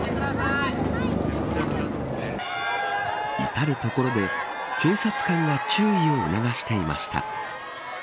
至る所で警察官が注意を促していました。